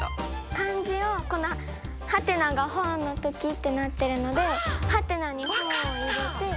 漢字を「ハテナが本の時」ってなっているのでハテナに「本」を入れて。